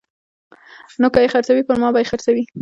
نو که یې خرڅوي پرما به یې خرڅوي